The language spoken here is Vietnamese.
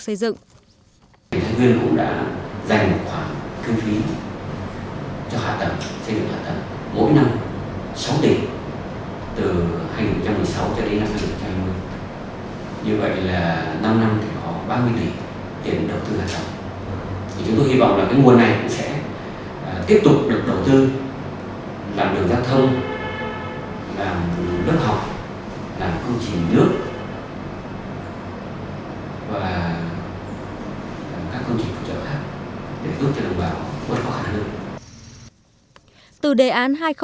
để giúp cho đồng bào quân quốc hạ nước